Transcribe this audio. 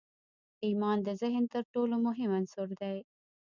ایمان د ذهن تر ټولو مهم عنصر دی